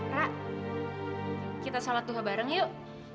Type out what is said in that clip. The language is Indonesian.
rak kita sholat duha bareng yuk